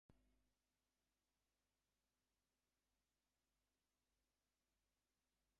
শহরের চারপাশে মানুষের তৈরি এবং প্রাকৃতিক হ্রদ রয়েছে।